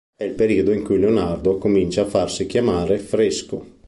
È il periodo in cui Leonardo comincia a farsi chiamare "Fresco".